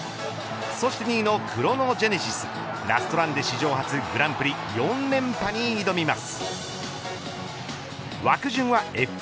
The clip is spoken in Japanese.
２位のクロノジェネシスラストランで史上初グランプリ４連覇に挑みます。